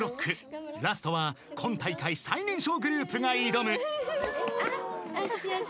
［ラストは今大会最年少グループが挑む］